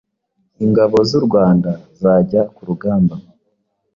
ingabo z’u rwanda zajya ku rugamba,